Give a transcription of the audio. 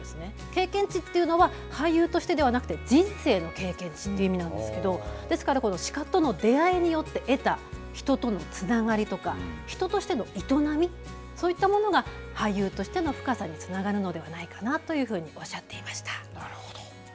経験値っていうのは、俳優としてではなくて人生の経験値っていう意味なんですけど、ですから、この鹿との出会いによって得た人とのつながりとか、人としての営み、そういったものが、俳優としての深さにつながるのではないかなとなるほど。